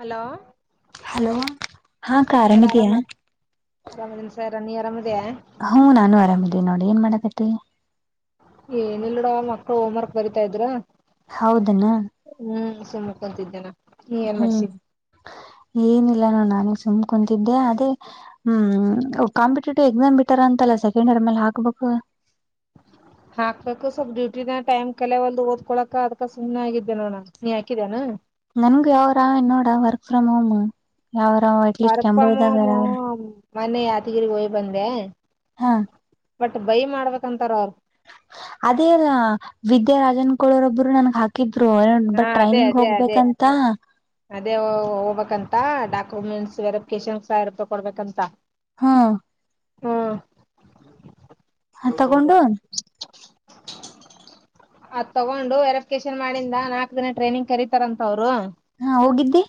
Hello hello ಹಾ ಅಕ್ಕ sir ಆರಾಮಿದೀಯಾ ಆರಾಮ ಆರಾಮದ ಸ ನೀ ಆರಾಮದ್ಯಾ ಹ್ಮ ನಾನು ಆರಾಮ ಇದ್ದೇನೆ ನೋಡಿ ಏನ್ ಮಾಡಕತ್ತಿ ಏನಲ್ಡ ಮಕ್ಳು ಹೋಮ್ವರ್ಕ್ ಬರಿತಾ ಇದ್ರ ಹೌದನಾ ಹ್ಮ್ ಸುಮನೆ ಕುಂತಿದ್ದೆ ನೋಡು ಹ ಏನ್ಮರ್ಸಿ ಏನಿಲ್ಲಾನ ನಾನಗ್ ಸುಮ್ ಕುಂತಿದ್ದೆ ಅದೇ ಹ್ಮ್ ಕಾಂಪಿಟೇಟಿವ್ ಎಕ್ಸಾಮ್ ಬಿಟ್ಟಾರ ಅಂತಲ್ಲ ಸೆಕೆಂಡ್ ಇಯರ್ ಮೇಲೆ ಹಾಕ್ಬೇಕು ಹಾಕ್ಬೇಕು ಸ್ವಲ್ಪ್ ಡ್ಯೂಟಿಿದ ಟೈ್ ಕಲೆ ಒಲ್ ಓದ್ಕೋಕಕ್ ಅದಕ ಸು್ನೆ ಆಗಿದ್ದೆ ನೋಣ ನೀ ಹಾಕಿದೇಾನ ನನ್ಗು ಯಾವರ ನೋಡ ವರ್ಕ್ ಫ್ರಮ್ ಹೋಮ್ ಯಾವ್ರ ಎಟ್ಲೀಸ್ಟ್ ವರ್ಕ್ ಕೆಂಬು ಫ್ರಮ್ ಹೋಮ್ ಇದ್ದಾಗರ ಅವ್ರರು ಮೊನ್ನೆ ಯಾದಿಗಿರಿ ಹಯ್ ಬಂದೆ ಹಾ ಬಟ್ ಬೈ ಮಾಡ್ಬೇಕಕ್ಂತಾರ ಅವ್ರು ಅದೇ ಅಲ್ಲ ವಿದ್ಯಾರನ್ ಕೊಳೋರೊಬ್ರು ನನ್ಗ್ ಹಾಕಿದ ಹಾ ಬಟ್ ಅದೇ ಟ್ರೈನಿಂಗ್ ಅದೇ ಅದೇ ಹೋಗ್ಬೇಕಂತ ಅದೇ ಹೋಗ್ಬೇಕಂತ ಡಾಕ್ಯುಮೆಂಟ್ಸ್ ವೆರಿಫಿಕೇಶನ್ಸ್ ಸಾವ ರೂಪ ಕೊಡ್ಬೇಕಂತ ಹಾ ಹ್ಮ್ ಹ ತಗೊಂಡು ಅದ್ ತಗೊಂಡು ವೆರಿಫಿಕೇಶನ್ ಮಾಡಿಂದ ನಾಲ್ಕ ದಿನ ಟ್ರೈನಿ್ ಕರೀತಾರಂತ ಅವರು ಹಾ ಹೋಗಿದ್ದಿ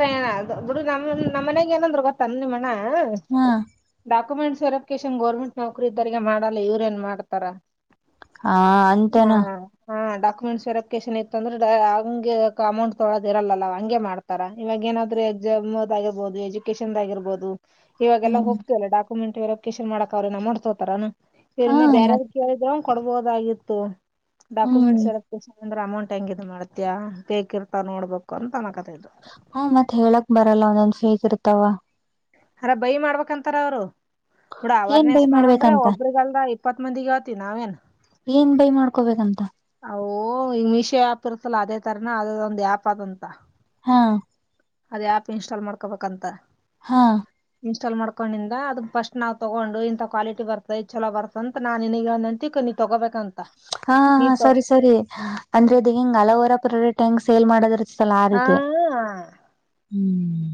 ನ್ ಅದು ಬಿಡಿ ನಮ್ಮ್ ನಮ್ಮ ಮನೆಗ್ ಏನಂದ್ರು ಗೊತ್ತಾನ ನಿಮ್ಮ ಡಾಕ ಹಾ ಡಾಕ್ಯುಮೆಂಟ್ ವೆರಿಫಿಕೇಷನ್ ಗರ್ಮೆಂಟ್ ನೌಕರಿ ಇದರಿಗೆ ಮಾಡಲ್ಲ ಇವ್ರ ಏನ್ ಮಾಡ್ತಾರ ಹಾ ಅಂತೇನು ಕುನ್ಸಿರತ್. ಎಕಶನ್ ಇತ್ತ ಅಂದ್ರೆ ಹಂಗೆ ಕಮೌಂಟ್ ತೊಳೋದ ಇರಲ್ಲಲ್ಲ ಹಂಗೆ ಮಾಡ್ತಾರ ಇವಾಗ ಏನಾದ್ರೂ ಎಕ್ಸಾಮ್ ಆಗಿರ್ಬಹುದು ಎಜುಕೇೇಶನ್ದ ಆಗಿರ್ಬಹದು. ಇವಾಗೆಲ್ಲ ಹ್ಮ್ ಹೋಗತಿವಲ್ಲ ಡಾಕ್ಟ ಕಮೆಂಟ್ ವೆರಿಕೇಶನ್ ಮಾಡಕ ಅವ್ರನ ಅಮೌಂಟ್ ತೋಗೋತಾರೇನ್. ಹಾ ಬೆರ್ರಿನ್ ಮತ್ ಬೇರಯಾರಿಗ್ ಕೇಳಿದೆ. ಕೊಡ್ಬೋದಾಗಿತ್ತು. ಹ್ಮ್ ಡಾಕ್ಯುಮೆಂಟ್ಸ್ ವೆರಫಿಕೇಷನ್. ಅಂದ್ರ ಅಮೌಂಟ್ ಹೆಂಗ ಇದು ಮಾಡ್ತಿಯಾ ಫೇಕಿರ್ತಾ ನೋಡ್ಬೇಕು ಅಂತ ಅನಕ. ಹಾ ಮತ್ತ್ ಹೇಳಕ್ ಬರ ಲ್ಲ ಒಂದೊಂದು ಫೇಕ್ ಇರ್ತಾವ. ಅರ ಬಯ್ ಮಾಡ್ಬೇಕಂತಾರ ಅವ್ರು. ಬಿಡ ಏನ್ ಬೈ ಅವೇರ್ನೆಸ್ ಮಾಡಂದ್ರೆ ಮಾಡ್ಬೇಕಂತ ಒಬ್ರಗಲ್ದ ಇಪ್ಪತ್ ಮಂದಿಗೆ ಏಳ್ತೀವ್ ನಾವೇನ್ ಏನ್ ಬೈ ಮಾಡ್ಕೋಬೇಕಂತ ಅವು ಮಿಷ ಆಪರ್ತಲ್ಲ ಅದೇ. ತಾರ್ನಾ ಅದ ಒಂದ್ ಯ್ಯಾಪ ಅದಂತ. ಆ ಅದು ಆ್ಯಪ್ ಇನ್ಸ್ಟಾಲ್ ಮಾಡ್ಕೋಬಕಂತ. ಹಾ ಇನ್ಸ್ಟಾಲ್ ಮಾಡ್ಕೊಂಡಿಂದ ಅದು ಫಸ್ಟ್ ನಾವು ತೊಗೊಂಡು ಇಂತ ಕ್ವಾಲಿಟಿ ಬರ್ತೆ ಇದು ಚಲ ಬರ್ತ ಅಂತ ನಾನ್ ನಿನಗೆ ಎದ್ನಂತಿ ನೀ ತಗೋಬೇಕ. ಅಹ್ಹಹ ಸರಿ ಸರಿ ಅಂದ್ರೆ ದಿಂಗ್ ಅಲೋವೇರ ಪ್ರ. [unintelligible] ಸೇಲ್ ಮಾಡದಿರತ್ತ್. ಹ ಹ. ಹ್ಮ್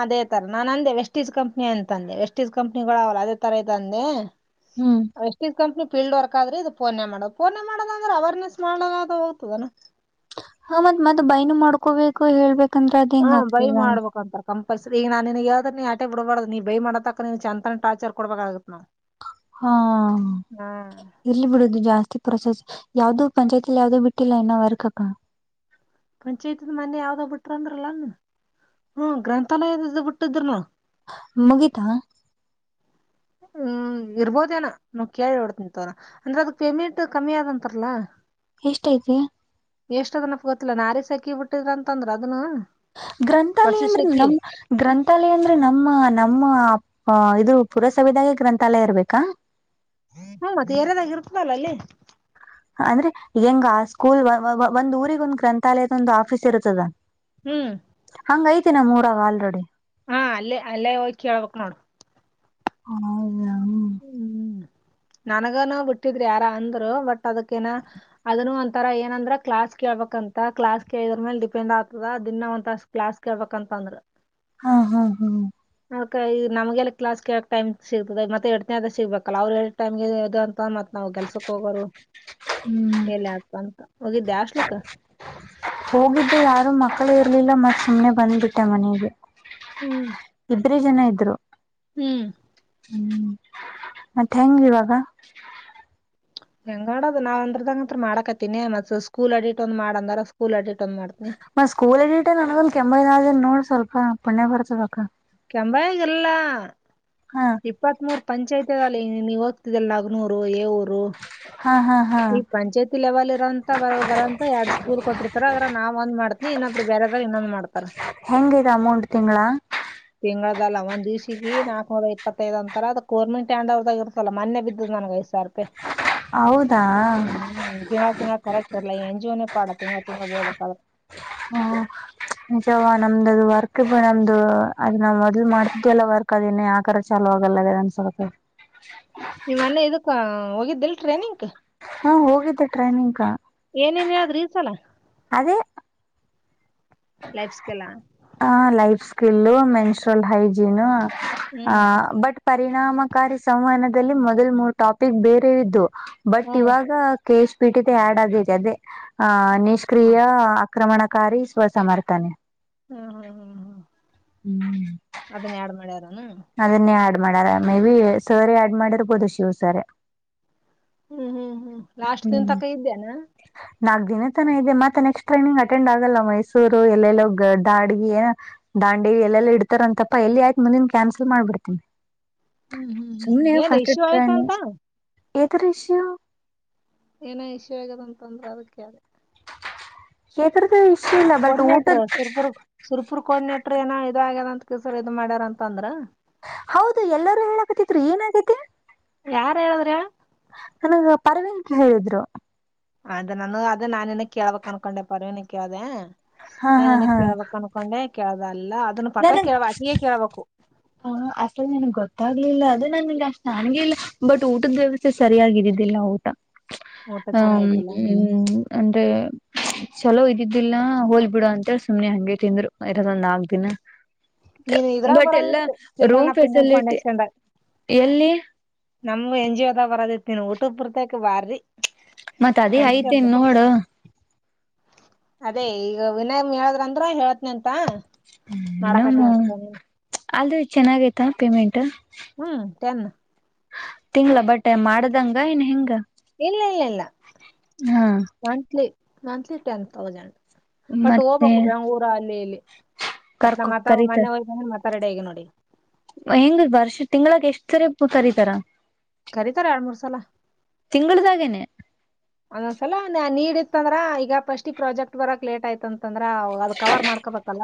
ಅದೇ ತರ ನಾನ್ ಅಂದೆ ವೆಸ್ಟೀಜ್ ಕಂಪ್ನಿ ಅಂತ ಅಂದೆ ವೆಸ್ಟೀಜ್ ಕಂಪ್ನಿಗಳು ಅವಲ್ಲ ಅದೇ ತರ ಇದೆ ಅಂದೆ. ಹ್ಮ್ ವೆಸ್ಟಿಸ್ ಕಂಪ್ ಫೀಲ್ಡ್ ವರ್ಕ್ ಆದ್ರೆ ಇದು ಪೋನೆ ಮಾಡೋ ಪೋನೆ ಮಾಡೋದ ಅಂದ್ರೆ ಅವೇರ್ನೆಸ್ ಮಾಡಲಾರದ ಹೋಗ್ದಾದೇನ. ಹಾ ಮತ್ ಮತ್ತ ಬೈನು ಮಾಡ್ಕೋಬೇಕು ಹೇಳ್ಬೇಕ್. ಕಂದ್ರ ಹಾ ಅದೆಂಗ್ ಬೈ ಅಕ್ತಿಯ. ಮಾಡ್ಬೇಕಂತಾರ ಕಂಪಲ್ಸರಿ ಈಗ ನಾ ನಿನಗೆವ್ದ್ರ ನೀ ಆಟೆ ಬಿಡಬಾರ್ದ ನೀ ಬೈ ಮಾಡೋತಕ ನೀ ಚಂತನ ಟಾರ್ಚರ್ ಕೊಡ್ಬೇಕಾಗುತ್ತ ನಾ. ಹಾ ಇರ್ಲ್ಲಿ ಬಿಡುದು ಜಾಸ್ತಿ. ಪ್ರೊಸೆಸ್ ಯಾವ್ದು ಪಂಚಾಯತಿಲಿ ಯಾವ್ದು ಬಿಟ್ಟಿಲ್ಲ ಇನ್ನು ವರ್ಕ್ ಅಕ್ಕ. ಪಂಚಾಯತಿದು ಮನ್ನೆ ಯಾವ್ದ ಬಿಟ್ರಂದ್ರಲ್ಲನ್ ಹ್ಮ ಗ್ರಂಥಾಲಯದ್ದ ಬಿಟ್ಟಿದ್ರನು. ಮುಗಿತಾ. ಹ್ಮ್ ಇರ್ಬೋದೇನ ನಾವ ಕೇಳಿ ಹೊಡ್ತಂತರ ಅಂದ್ರೆ ಅದ ಪೇಮೆಂಟ್ ಕಮ್ಮಿ ಆದಂತಾರಲ್ಲಾ. ಎಷ್ಟ ಆಯ್ತೆ. ಎಷ್ಟ ಅದನಪ್ಪ ಗೊತ್ತಿಲ್ಲಾ ನಾರಿ ಸಕಿ ಬಿಟ್ಟಿದ್ರ ಅಂತ ಅಂದ್ರ ಅದನು. ಗ್ರಂಥಾಲಯ ಅಂದ್ರೆ ನಮ್ಮ ಗ್ರಂಥಾಲಯ ಅಂದ್ರೆ ನಮ್ಮ ನಮ್ಮ ಹ ಇದು ಪುರಸವಿದಾಯ ಗ್ರಂಥಾಲಯ ಇರ್ಬೇಕಾ ಹ್ಮ ಮತ್ತ ರ್ಯದಾಗ ಇರ್ತದಲ್ಲ ಅಲ್ಲಿ ಅಂದ್ರೆ ಹೆಂಗ ಸ್ಕೂಲ್ ವ-ವ -ಒಂದ್ ಊರಿಗ ಒಂದ್ ಗ್ರಂಥಾಲಯದ ಒಂದ್ ಆಫೀಸ್ ಇರುತ್ತದ ಹ್ಮ್ ತಿ ನಮ್ಮೂರ ಆಲ್ರೆಡಿ ಹಾ ಅಲ್ಲೇ ಅಲ್ಲೇ ಹೋಗಿ ಹೇಳ್ಬೇಕ್ ನೋಡ ಹಾ [inaudible] ನನಗನ ಬಿಟ್ಟಿದ್ರಿ ಯಾರ ಅಂದ್ರು ಬಟ್ ಅದಕ್ಕ ಏನ ಅದನ್ನು ಒಂತರ ಏನಂದ್ರ ಕ್ಲಾಸ್ ಕೇಳ್ಬಂತ ಕ್ಲಾಸ್ ಕೇಳಿದ್ರ ಮೇಲ್ ಡಿಪೆಂಡ್ ಆಗ್ತದ ದಿನ್ನ ಒಂತ ತಾಸ್ ಕ್ಲಾಸ್ ಕೇಳ್ಬಂತ ಅಂದ್ರ ಹಾ ಹಾ ಹಾ್ ಅದ ಈ ನಮ್ಗೆಲ್ಲ ಕ್ಲಾಸ್ಗೆಕ್ ಟೈ್ ಸಿಗ್ತದೆ ಮತ್ತೆ ಎಡನೇದ ಸಿಗ್ಬೇಕಲ್ಲ ಅವರು ಟೈಮ್ ಇದು ಅಂತತ್ತ ನಾವು ಕೆಲ್ಸಕ್ಕೆ ಹೋಗೋರು ಹ್ಮ್ ಮೇಲೆ ಅದ ಬಂತ ಹೋಗಿದ್ಯಾ ಹಾಸ್ಟೆಲಕ್ಕ ಹೋಗಿದ್ದೆ ಯಾರು ಮಕ್ಕಳ ಇರ್ಲಿಲ್ಲ ಮತ್ ಸುಮ್ನೆ ಬಂದ್ಬಿಟ್ಟೆ ಮನೆಗೆ ಹ್ಮ್ ಇ ಜನ ಇದ್ರು ಹ್ಮ್ ಮತ್ತ ಹೆಂಗ ಇವಾಗ ಹೆಂಗ ಆಡದು ನಾವ್ ವಂಡರ್ದಾಗ ಅಂತ್ರು ಮಾಡಕತ್ತೀಿನಿ ಮತ್ ಸ್ಕೂಲ್ ಅಡಿಟ್ ಒಂದ್ ಮಾಡ ಅಂದಾರ ಸ್ಕೂಲ್ ಅಡಿಟ್ ಒಂದ್ ಮಾಡ್ತೀನಿ ಮತ್ತ ಸ್ಕೂಲ್ ಆಡಿಟ್ ನನಗೊಂದು ಕೆಮ್ಮ ಅದೇನ್ ನೋಡ ಸ್ವಲ್ಪ ಪಣ್ಣ್ಯ ಬರ್ತದ ಅಕ್ಕಾ ನಂಬಯ ಗಿಲ್ಲ ಹಾ ಇಪ್ಪತ್ತ್ ಮೂರ್ ಪಂಚಾಯತಿದಲ್ಲಿ ನೀ ನೀವು್ ದೆಲ್ಲಗ್ನೂರು ಏ ಊರು ಹಾ ಹಾ ಹಾ ಈ ಪಂಚಾಯತಿ ಲೆವೆಲ್ ಇರುವಂತಹ ಬರಂತ ಎರಡ್ ಸ್ಕೂಲ್ ಕೊಟ್ಟಿರ್ತಾರ ಅದ್ರ ನಾವ್ ಒಂದ್ ಮಾಡ್ತ ದೀ ಇನ್ನೊಬ್ರ ಬ್ಯಾರೆದವರು ಇನ್ನೊಂದ ಮಾಡ್ತಾರ ಹೆಂಗ ಇದ ಅಮೌಂಟ್ ತಿಂಗಳಾ ತಿಂಗಳದಲ್ಲ ಒಂದ್ ದಿವಸಿಗಿ ನಾಕಕ್ನೂರ ಇಪ್ಪತ್ತೈದ್ ಅಂತರ ಅದಕ್ ಕೋರ್ಮಿಟ್ಟ್ಯಾಂಡದಾಗ ಇರ್ತಲ್ಲ ಮನ್ನೆ ಬಿದ್ದಿದ್ ನಂಗ ಐದ ಸಾವಿರ ರೂಪಾಯಿ ಹೌದಾ ಹ್ಮ್ ತಿಂಗಳ ತಿಂಗಳ ಕರೆಕ್ಟರ್ಲ್ಲ ಎನ್‌ಜಿಓ ಪಡ ತಿಂಗಳ ತಿಂಗಳ ಬೀಳ್ಬೇಕಾದ್ರ ಹ್ಮಂ ಜವಾ ನಮ್ದ ಅದು ವರ್ಕ್ ನಮ್ದು ಅದ್ ನಾವ್ ಮೊದ್ಲು ಮಾಡ್ತಿದಲ್ಲ ವರ್ಕ್ ಅದೇನ್ನ ಯಾಕರ ಚಾಲೋ ಆಗಲ್ಲದ ಅನ್ಸತ ನೀವ್ ಅನ್ನೆ ಇದಕ್ಕ ಹೋಗಿದ್ದಿಲ್ ಟ್ರೈನಿಂಗಕ್ ಹಾ ಹೋಗಿದ್ದೆ ಟ್ರೈನಿಂಗ್ ಕಾ ಏನೇನ್ ಹೇಳದ್ರ ಈ ಸಲ ಅದೇ ಲೈಫ್ ಸ್ಕಿಲ್ ಕಿಿಲ್ಲು ಮೆನ್ಸುರಲ್ ಹೈಜೀನು ಹ ಹ್ಮ್ ಬಟ್ ಪರಿಣಾಮಕಾರಿ ಸಂವಾದದಲ್ಲಿ ಮೊದಲ್ ಮೂರು ಟಾಪಿಕ್ ಬೇರೆ ಇದ್ದು ಬಟ್ ಹ್ಮ್ ಇವಾಗ ಕೇಶ್ ಪೀಟ್ಟಿದೆ ಆಡ್ ಆಗಿದೆ ಅದೇ ಆ ಹ್ಮ್ ನಿಷ್ಕ್ರಿಯ ಆಕ್ರಮಣಕಾರಿ ವಿಶ್ವ ಸಮರ್ಥನೆ ಹ್ಮ್ ಹ್ಮ್ ಹ್ಮ್ ಹ್ಮ್ ಹ್ಮ್ ಅದನ್ನ ಯಡ್ ಮಾಡ್ಯಾರನಾ ಅದನ್ನೇ ಆಡ್ ಮಾಡಾರ ಮೇ ಬಿ ಸರಿ ಆಡ್ ಮಾಡಿರ್ಬೋದು ಶಿವ ಸರಿ ಹ್ಮ್ ಹ್ಮ್ ಹ್ಮ್ ಲಾಸ್ಟ್ ದನ್ ತಕ ಇದ್ದೇಾನ ನಾಕ್ ದಿನ ತನ ಇದೆ ಮತ್ತೆ ನೆಕ್ಸ್ಟ್ ಟ್ರೈನಿಂಗ್ ಅಟೆಂಡ್ ಆಗಲ್ಲ ಮೈಸೂರು ಎಲ್ಲೆಲ್ಲೋ ದಾಡ್ಗ ಏ ದಾಂಡೇ ಎಲ್ಲೆಲ್ಲಾ ಇಡ್ತಾರಂತಪ್ಪ ಎಲ್ಲಿ ಆಯ್ತು ಮುಂದಿನ ಕ್ಯಾನ್ಸಲ್ ಮಾಡ್ಬಿಡ್ತೀನಿ ಹ್ಮ್ ಹ್ಮ್ ಹ್ಮ್ ಏನ್ ಇಶ್ಯೂ ಆಯ್ತ ಅಂತ ಎದುರೇಷು ಏನ ಇಷು ಆಗದ ಅಂತಂದ್ರೆ ಅದಕ್ಕೆಿ ಯಡ್ರಾದು ಶಲ್ಲ ಬಟ್ ಊಟದ ಕೂರ್ಡಿನೆಟರ್ ನಟ್ರ ಏನೋ ಇದ ಆ್ಯದ ಅಂತ ಚಕ್ಕಸರ್ ಇದು ಮಾಡ್ಯಾರ ಅಂತ ಅಂದ್ರ ಹೌದು ಎಲ್ಲರೂ ಹೇಳಕತಿದ್ರು ಏನಾಗೈತಿ ಯಾರ ಹೇಳದ್ರ ಹೇಳು ನನಗ ಪರವೀನ್ಗೆ ಹೇಳಿದ್ರು ಅದ ನಾನು ಅದ ನಾನ ಇನ ಕೇಳ್ಬೇಕಕ್ ಅನ್ಕೊಂಡೆ ಪರ್ವನ ಕೇಳ್ದ ನಾಿನ ಕೇಳ್ಬಕ್ ಅನ್ಕೊಂಡೆ ಕೇಳ್ಬೇಕ ನಾನು ಹ ಅಸ ನಾನು ಗ ಗೊತ್ತಾಗಗ್ಲಿಲ್ಲ ಅದೇ ನಾನ ಇಿಲ್ಲ ಅಷ್ಟ ನನ್ಗೆ ಇಲ್ಲ ಬಟ್ ಊಟದ ವ್ಯವಸ್ಥೆ ಸರಿಯಾಗಿರಿದ್ದಿಲ್ಲ ಊಟ ಊಟ ಹ್ಮ ಚೆನ್ನಾಗಿದ್ದಿಲ್ಲ ಅಂದ್ರೆ ಚಲೋ ಇದಿದ್ದಿಲ್ಲ ಹೋಲ್ ಬಿಡು ಅಂತೇಳಿ ಸುಮ್ನೆ ಹಂಗೆ ತಿಂದ್ರು ಇರದ ಒಂದು ನಾಕ್ ದಿನ ನೀನ್ ಇದ್ರಾಗ ಬಟ್ ಎಲ್ಲಾ ಬರೋದಿತ್ತು ರೂಮ್ ಚಿಲ್ರನಾ ಪಿಂಡನ್್ ಫೆಸಿಲಿಟಿ ಫೌಂಡೇಶನ್ ಎಲ್ಲಿ ನಮ ಎನ್ ಜಿ ಒದಾಗ ಬರದಿತಿಿನ ಊಟು ಬರ್ತಕ್ ಬಾರ್ರಿ ಮತ್ತತ್ ಅದೇ ಐತೆನ್ ನೆನ್ಸ್ಬೇಕ ನೋಡು ಅದೇ ಈಗ ವಿನಯ್ ಹೇಳದ್ರ ಅಂದ್ರ ಹೇಳತ್ನ ಅಂತ ಾ ನಾಡಕತಿ ಅತಾನ ಅಲ್ ಚೆನ್ನಾಗೈತಾ ಪೇಮೆಂಟ್ ತನ್ ತಿಂಗ್ಳ ಬಟ್ೆ ಮಾಡ್ದಂಗ ನ್ ಹೆಂಗ ಇಲ್ಲ ಇಲ್ಲ ಇಲ್ಲ ಹಾ monthly monthly ten thousand but ಮತ್ತೆ ಹೋಗ್ಬೇಕು ಬೆಂಗ್ ೂರು ಅಲ್ಲಿ ಇಲ್ಲಿ ಮತ್ತ ನ ಕರ್ಕೊ ಮ ಮನೆ ಹತಂದ್ರೆ ಮ ಕರಡಗ ನೋಡಿ ಹೆಂಗ್ ಬರ್ಷ ತಿಂಗಗಳ ಎಷ್ಟ್ ಸರಿ ಕರಿತಾರ ಕರೀತಾರ ಎರಡ್ ಮೂರ್ ಸಲ [inaudible] ಒಂದೊಂದ್ಸಲ ನೀಡಿ ಇತ್ಂದ್ರ ಈಗ ಫಸ್ಟ್ ಈ ಪ್ರಾಜೆಕ್ಟ್ ಬರಕ್ ಲೇಟ್ ಆಯ್ತಂತ ಂದ್ರೆ ಅದು ಕವರ್ ಮಾಡ್ಕೊಬತ್ತಲ್ಲ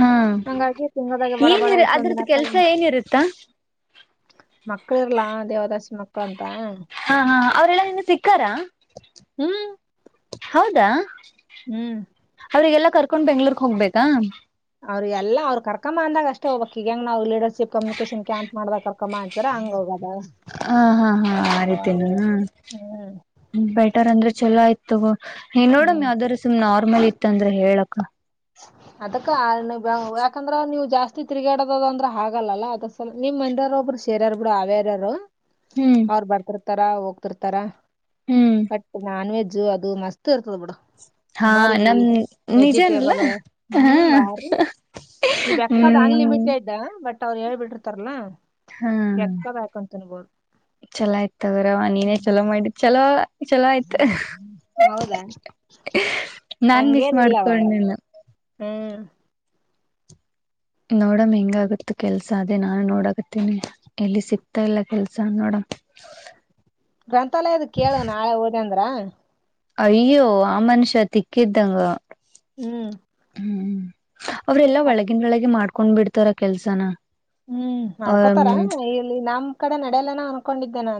ಹಾ ಹಂಗಾಗಿ ತಿಂಗಳ್ ದಾಗ ಬಡ ಬಡ ಏನಿರ್ ಎಷ್ಟೊಂದ ಅದ್ರದ್ದ ದಿನಕ್ಕ ಕೆಲ್ಸ ಏನಿರುತ್ತಾ ಮಕ್ಕಳ ಇಲ್ಲಾ ದೇವದಾಸಿ ಮಕ್ಕಳಂತಾ ಹಾ ಹಾ ಅವ್ರೆಲ್ಲಾ ನಿನ್ನ ಸಿಕ್ಕಾರಾ ಹ್ಮ್ ಹೌದಾ ಹ್ಮ್ ಅವ್ರಿಗೆಲ್ಲ ಕರ್ ಕಕೊಂಡ್ ಬೆಂಗ್ಳೂರ ಹೋಗ್ಬೇಕಾ ಅವ್ರ ಎಲ್ಲ ಅವರು ಕರೆಕ್ ಕರ್ಮ್ಮ ಅಂದಾಗ ಅಷ್ಟೇ ಹೋಗ್ಬೇಕಕ್ ಈಗ ಹೆಂಗಗೆ ನಾವು ಲೀಡರ್ಶಿಪ್ ಕಮ್ಯುನಿಕೇಶನ್ ಕ್ಯಾಂಪ್ ಮಾಡ ಕರ್ಕಮ್ಮ ಅಂತಾರೆ ಹಂಗ ಹೋಗದ ಹಾ ಹಾ ಆ ರೀತಿನ ಹ್ಮ್ ಬೆಟರ್ ಅಂದ್ರೆ ಚಲೋ ಆಯತಗೋ ನೀ ಹ್ಮ್. ನೋಡಮ್ಮಿ ಅದ್ರ ಸುಮ್ ನಾರ್ಮಲ್ ಇ ಇತ್ತಂದ್ರೆ ಹೇಳಕ್ಕ [inaudible] ಅದಕ್ಕ ಯಾಕಂದ್ರ ನೀವು ಜಾಸ್ತಿ ತಿರ್ಗಾಡದದ ಅಂದ್ರ ಆಗಲ್ಲಾ ಅದ ನಿಮ್ಮ ಮಂದಾರ ಒಬ್ರು ಸೇರ್ಯಾರ್ ಬಿಡು ಅವ್ಯಾರ್ಯಾರು ಹ್ಮ್ ಅವ್ರ ಬರ್ತಾರ ತರ ಹೋಗ್ತಿರ್ತಾರಾ ಹ್ಮ್ ಬಟ್ ನಾನ್ವೆೆಜ್ ು ಅದು ಮಸ್ತ್ ಇರ್ತದ್ ಬಿಡು ಹಾ ಉಣೋರಿಗಿ ನಮ ನಿಜ ಹಾ ನೀವ್ ಎಪ್ಪದ ಹ್ಮ್ ಅನ್ಲಿಮಿಟೆಡ್ ಬಟ್ ಅವ್ರು ಹೇಳ್ಬಿಟ್ಟಿರ್ತಾರಲ್ಲಾ ಹಾ ಎಕ್ಕ ಅಕಂತಿನಬೋದು ಚಲೋ ಆಯ್ತದ್ರ ಅವ ನೀನೇ ಚಲೋ ಮಾಡಿದ ಚಲೋ ಚಲೋ ಆಯ್ತ ಹೌದಾ ನಾನ್ ಮಿಸ್ ಮಾಡ್ಕೊಂಡನ್ನ ಹ ನೋಡಮ ಹೆಂಗಗತ್ತು ಕೆಲ್ಸ ಅದೇ ನಾನು ನೋಡಕತ್ತೇನಿ ಎಲ್ಲಿ ಸಿಗ್ತಾ ಇಲ್ಲ ಕೆಲ್ಸ ನೋಡಮ ಗ್ರಂಥಾಲಯದ ಕೇಳುವ ನಾಳೆ ಓದ ಅಂದ್ರ ಹ ಅಯ್ಯೋ ಆ ಮನುಷ್ಯ ತಿಕ್ಕಿದ್ದಂಗ ಹ್ಮ್ ಅವ್ರೆಲ್ಲ ಒಳಗಿನ ಒಳಗೆ ಮಾಡ ಹಕೊಂಡ್ ಬಿಡ್ತಾರ ಕೆಲ್ಸನ ಹ್ಮ್ ಹ್ಮ್ ಮಾಡ್ಕೋತಾರ ಇಲ್ಲಿ ನಮ್ ಕಡೆ ನಡಲನ ಅನ್ಕೊಂಡಿದ ಹ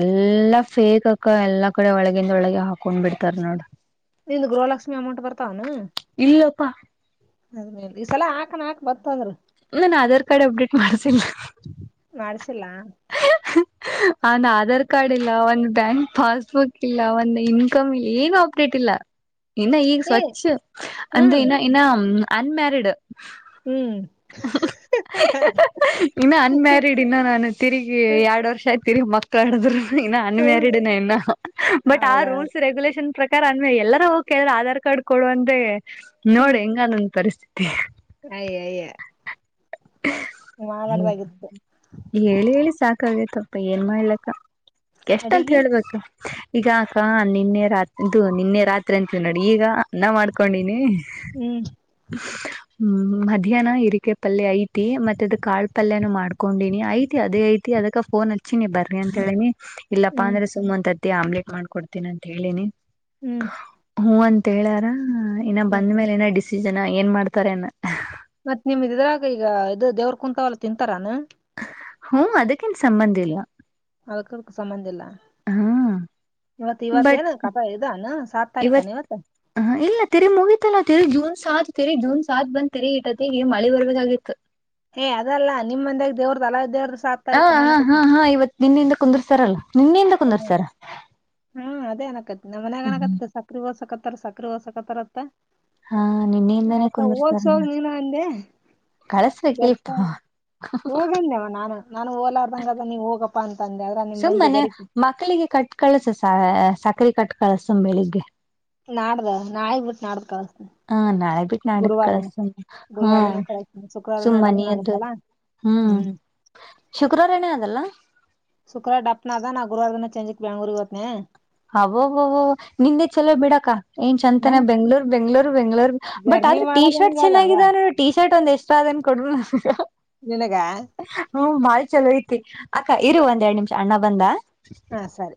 ಎಲ್ಲಾ ಫೇಕ್ ಅ ಎಲ್ಲಾ ಕಡೆ ಒಳಗಿಂದ ಒಳಗೆ ಹಾಕೊಂಡ್ ಬಿಡ್ತಾರ್ ನೋಡ್ ನಿಂದು ಗೃಹಲಕ್ಷ್ಮಿ ಅಮೌಂಟ್ ಬರ್ತವನು ಇಲ್ಲಪ್ಪಾ ಅದ್ಮೇಲೆ ಈಸಲ ಹಾಕ ಹಾಕ್ ಬತ್ತಂದ್ರರು ನನ್ ಆಧಾರ್ ಕಾರ್ಡ್ ಅಪ್ಡೇಟ್ ಮಾಡಸಿಲ್ಲ [inaudible] ಅವನ್ ಆಧಾರ್ ಕಾರ್ಡ್ ಇಲ್ಲ ಒಂದು ಬ್ಯಾಂಕ್ ಪಾಸ್ಬುಕ್ ಇಲ್ಲ ಒಂದು ಇನ್ಕಮ್ ಇಲ್ಲ ಏನು ಆಪ್ಡೇಟ್ ಇಲ್ಲ ಇನ್ನ ಈಗ ಏ ಸ್ವಚ್ಛ ಅಂದ್ರೆ ಹ್ಮ್ ನ ಇನ್ನ ಅನ್ಮೇರಿಡ್ ಹ್ಮ್ ಗ ಎರಡ್ ವರ್ಷ ಹತೀರಿ ಮಕ್ಕಳ ಹಡಿದ್ರ ಇನ್ನು ಹ್ಮ್ ಅನ್ಮ್ಯಾರಿಡ್ ಇನ್ನು ಬಟ್ ಆ ಹೌದೌದ್ ರೂಲ್ಸ್ ರೆಗ್ಯುಲೇಷನ್ ಪ್ರ ಯ ಅಂದ್ರ ಎಲ್ಲಾರ ಹೋಗ್ ಹೇಳಿದ್ರೆ ಆಧಾರ್ ಕಾರ್ಡ್ ಕೊಡುವಂದ್ರೆ ನೋಡಿ ಹೆಂಗಾನೊಂದ ಪರಿಸ್ಥಿ. [inaudible] ಯಯ ಮಾಡಾಡ್ದಾಗಿತ್ತು ಹೇಳಿ ಹೇಳಿ ಸಾಕಾಗೈತಪ್ಪ ಏನ್ ಮಾಡ್ಲಕ್ಕ ಎಷ್ಟಂತ ಅಡಿಗಿ ಹೇಳ್ಬೇಕು ಈಗ ಅಕ ನಿನ್ನೆ ರಾತ್ರಿದು ನಿನ್ನೆ ರಾತ್ರಿ ಅಂತವಿ ನೋಡಿ ಈಗ ಅನ್ನ ಮಾಡ್ಕೊಂಡಿನಿ ಹ್ಮ್ ಹ್ಮ್ ಮಧ್ಯಾಹ್ನ ಇರಿಕೆ ಪಲ್ಯ ಐತಿ ಮತ್ತೆ ಅದ ಕಾಳ ಪಲ್ಯನ ಮಾಡ್ಕೊಂಡೀಿನಿ ಐತಿ ಅದೇ ಐತಿ ಅದಕ್ಕ ಫೋನ್ ಹಚ್ಚಿ ನೀ ಬರ್ರಿ ಅಂತ ಹೇಳಿ ಇಲ್ಲಪ್ಪಾ ಹ್ಮ್ ಅಂದ್ರೆ ಸುಮಂತ ಆಮ್ಲೆಟ್ ಮಾಡ್ಕಡ್ತೀನ ಅಂತ ಹೇಳಿನಿ ಹ್ಮ್ ಹೂ ಅಂತ ಹೇಳಾರ ಹ ಇನ್ನ ಹ್ಮ್ ಬಂದ ಮೇಲೆ ನ ಡ ಜನ ಏನ್ ಮಾಡ್ತಾರೆನ ಮತ್ ನಿಮ್ದ ಇದ್ರಾಗ ಈಗ ಇದು ದೇವ್ರ ಕುಂತಾವಲ್ಲ ತಿಂತಾರಾನ ಹ್ಮ ಅದಕ್ಕಿನ್ ಸಂಬಂಧ ಇಲ್ ಅದಕ್ಕ ಸಮಂಧ ಇಲ್ಲ ಹಾ ಇವತ್ ಬಟ್ ಇವತ್ತೇನ ಕಥಾ ಇದಾನ ಸಾತ್ ಇವತ್ ತಾರೀಕನ ಇವತ್ತ ಹ ಇಲ್ಲ ತೆರಿ ಮೂಗಿತಲ್ಲ ಜೂನ್ ಸಾ ತೆರಿ ಜೂನ್ ಸಾತ್ ಬಂದ್ ತೆರಿ ಇಟ್ಟತ್ತ ಈಗ ಮಳೆ ಬರ್ಬೇಕಾಗಿತ್ತು ಹೇ ಅದಲ್ಲ ನಿಮ್ಮ್ ಮಂದ್ಯಾಗ ದೇವ್ರ ತಲಾ ದೇವ್ರ ಹ ಹಾ ಹಾ ಹಾ ಇವತ್ತು ನಿನ್ನಿಂದ ಕುಂದರ್ತಾರಲ್ಲ ನಿನ್ನಿಂದ ಕುಂದರ್ ಸರ ಹ್ಮ್ ಅದೇ ಅನಕತ್ ನಮ್ಮ ಮನೆಾಗಣಕತ್ತ ಸಕರಿ ಬರ್ಸಕತ್ತತ್ ರ ಸಕರೆ ವಸಕತ್ತರತ್ತ ಹಾ ನಿನ್ನೆಯಿಂದಾನೇ ಅವದಕ್ಕ ಕುಂದರ್ಸ್ತಾರ ಹದಸೋಗ ನೀನು ಅಂದೆ ಕಳಸ್ಬೇಕ ಇಲ್ ಹೋಗಂದೆವ ನಾನ ನಾನು ಓಲಾರ್ದಂಗ ಅದ ನೀ ಹೋಗಪ್ಪಾ ಅಂತ ಅಂದೆ ಆದದ್ರ ನಿಮ ಮಂದಿ ಬೆರಕಿ. ಸಕರೆ ಕಟ್ ಕಳ್ಸ ಬೆಳಿಗ್ಗೆ ನಾಡ್ದ ನಾಳೆ ಬಿಟ್ಟು ನಾಡ್ದ ಕಳ್ಸ್ತಾ ಹಾ ನಾಳೆ ಬಿಟ್ಟು ನಾಡಿದ ಕಳ ಸುಮ್ಮ ಗುರುವಾರ್ ಹ್ಮ್ ದಿನ ಕಳಸ್ತೀನಿ ಶುಕ್ರವಾರ್ ದಿನ ಸುಮ್ಮನ ಡಪ್ನ ಅದು ಆಗತ್ತಲ್ಲ ಹ್ಮ್ ಶುಕ್ರವಾರ ನೇ ಅದಲ್ಲ ಗುರುವಾರ್ದಿನ ಚಂಜಕ್ ಬೆಂಗ್ಳೂರಿಗೆ ಹೋದ್ನೆ. ಅವೋವವೋ ನಿಂದೆ ಚಲೋ ಬಿಡಕ. ಏನ್ ಚೆಂತಾನ ನಂದ್ ಬೆಂಗ್ಳೂರ್ ಬೆಂಗ್ಳೂರ್. ಬೆಂಗಳೂರು ಬಟ್ ಆದ್ರೆ ಟೀ ಮಾಡದ್ ಶರ್ಟ್ ಹೆಂಗ್ ಅದವ್ವ ಚೆನ್ನಾಗಿದೆ ನೋಡ್ ಟಿ ಶರ್ಟ್ ಒಂದ್ ಎಷ್ಟ ಅದ್ ಕೊಡ್ರು. ನಿನಗ ಹ್ಮ ಬಾಳ್ ಚಲೋ ಐತಿ ಅಕ್ಕ ಇರು ಒಂದೆರಡ್ ನಿಮ್ಷ ಅಣ್ಣ ಬಂದ. ಹಾ ಸರಿ.